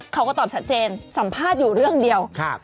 เขาก็ตอบชัดเจนสัมภาษณ์อยู่เรื่องเดียว